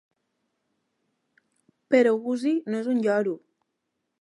Però Gussie no és un lloro.